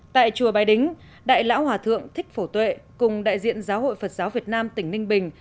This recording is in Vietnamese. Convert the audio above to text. tại chùa bái đính đại lão hòa thượng thích phổ tuệ cùng đại diện giáo hội phật giáo việt nam tỉnh ninh bình